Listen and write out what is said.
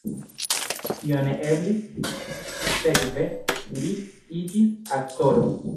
Tio ne eblis, sekve li iĝis aktoro.